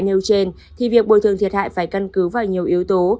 nếu trên thì việc bồi thường thiệt hại phải cân cứ vào nhiều yếu tố